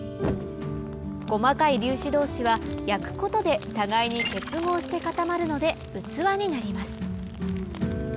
細かい粒子同士は焼くことで互いに結合して固まるので器になります